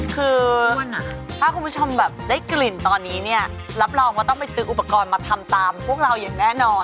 คือถ้าคุณผู้ชมแบบได้กลิ่นตอนนี้เนี่ยรับรองว่าต้องไปซื้ออุปกรณ์มาทำตามพวกเราอย่างแน่นอน